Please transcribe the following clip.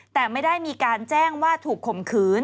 แต่ไม่ได้มีการแจ้งว่าถูกข่มขืน